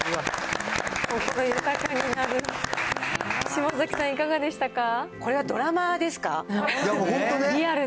島崎さん、いかがでしたか？